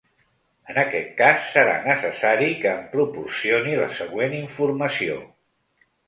En aquest cas, serà necessari que em proporcioni la següent informació:.